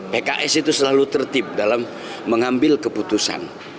pks itu selalu tertib dalam mengambil keputusan